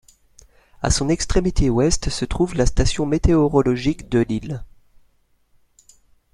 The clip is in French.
À son extrémité ouest se trouve la station météorologique de l'île.